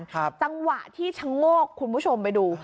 จังหวะที่ชะโงกคุณผู้ชมไปดู